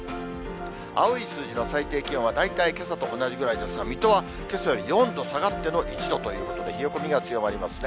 青い数字の最低気温は、大体けさと同じぐらいですが、水戸はけさより４度下がっての１度ということで、冷え込みが強まりますね。